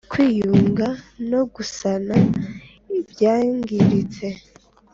kwiyunga no gusana ibyangiritse